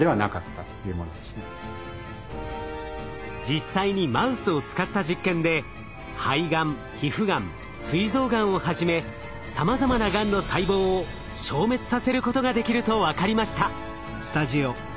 実際にマウスを使った実験で肺がん皮膚がんすい臓がんをはじめさまざまながんの細胞を消滅させることができると分かりました。